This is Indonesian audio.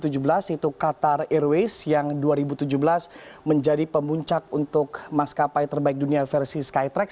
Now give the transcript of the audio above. yaitu qatar airways yang dua ribu tujuh belas menjadi pemuncak untuk maskapai terbaik dunia versi skytrack